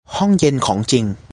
ห้องเย็นของจริง